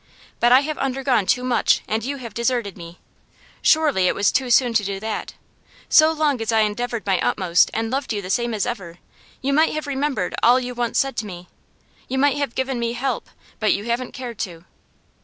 But I have undergone too much, and you have deserted me. Surely it was too soon to do that. So long as I endeavoured my utmost, and loved you the same as ever, you might have remembered all you once said to me. You might have given me help, but you haven't cared to.